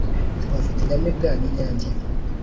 tuhafite inyamibwa n’inyange